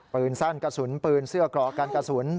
ปืนสั้นกระสุนปืนเสื้อกรอกกันกระสุน